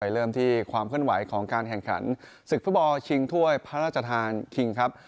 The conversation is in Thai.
เริ่มที่ความเคลื่อนไหวของการแข่งขันศึกฟุตบอลชิงถ้วยพระราชทานคิงครับ